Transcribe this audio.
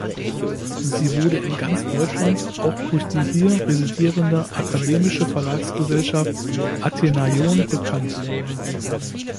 Sie wurde in ganz Deutschland auch durch die hier residierende "Akademische Verlagsgesellschaft Athenaion" bekannt.